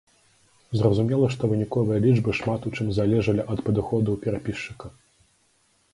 Зразумела, што выніковыя лічбы шмат у чым залежалі ад падыходаў перапісчыка.